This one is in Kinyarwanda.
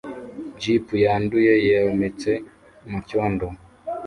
Jeep yanduye yometse mucyondo